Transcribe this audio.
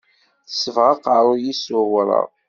Tesbeɣ aqerru-s s uwraɣ.